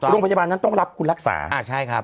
โรงพยาบานั้นต้องรับคุณรักษา